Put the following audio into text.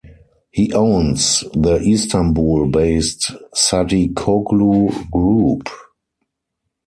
He owns the Istanbul-based Sadikoglu Group.